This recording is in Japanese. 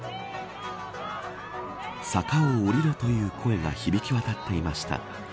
坂を下りろという声が響き渡っていました。